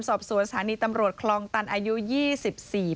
สอบสวนสถานีตำรวจคลองตันอายุ๒๔ปี